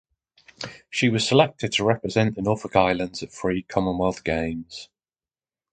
She was selected to represent the Norfolk Islands at three Commonwealth Games.